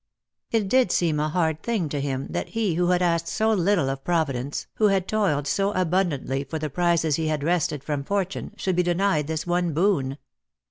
It did seem a hard thing to him that he who had asked so little of Providence, who had toiled so abundantly for the prizes he had wrested from Fortune, should be denied this one boon.